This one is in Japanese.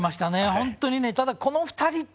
本当にねただこの２人って。